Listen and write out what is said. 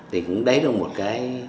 thì cũng đấy là một cái